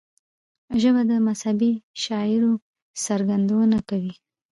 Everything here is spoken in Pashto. ژبه د مذهبي شعائرو څرګندونه کوي